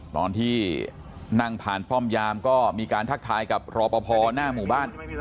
ตอนที่นั่งผ่านป้อมยามก็มีการทักทายกับรอปภหน้าหมู่บ้าน